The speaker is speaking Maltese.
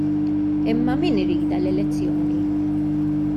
Imma min iridha l-elezzjoni?